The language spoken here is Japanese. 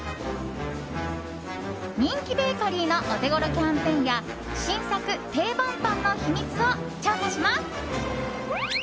人気ベーカリーのお手ごろキャンペーンや新作・定番パンの秘密を調査します。